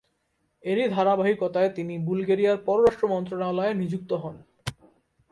এরই ধারাবাহিকতায় তিনি বুলগেরিয়ার পররাষ্ট্র মন্ত্রণালয়ে নিযুক্ত হন।